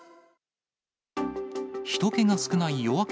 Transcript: ひと気が少ない夜明け